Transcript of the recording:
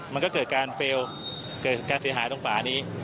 มันก็เกิดการเฟลล์เกิดการเสียหายตรงฝานี้